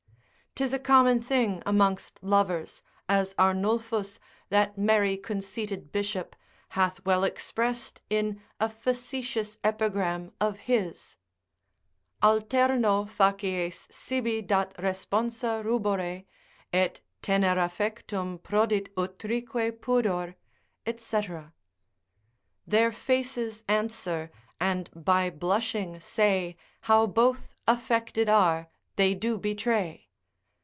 'Tis a common thing amongst lovers, as Arnulphus, that merry conceited bishop, hath well expressed in a facetious epigram of his, Alterno facies sibi dat responsa rubore, Et tener affectum prodit utrique pudor, &c. Their faces answer, and by blushing say, How both affected are, they do betray.